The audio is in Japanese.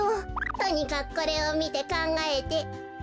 とにかくこれをみてかんがえて。